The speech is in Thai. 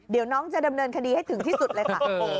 เดี๋ยวน้องจะดำเนินคดีให้ถึงที่สุดเลยค่ะ